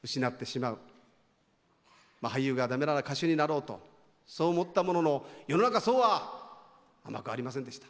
まあ俳優が駄目なら歌手になろうとそう思ったものの世の中そうは甘くありませんでした。